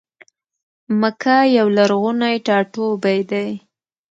مکه یو لرغونی ټا ټوبی دی.